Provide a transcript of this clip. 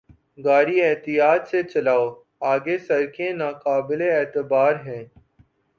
گاڑی احتیاط سے چلاؤ! آگے سڑکیں ناقابل اعتبار ہیں۔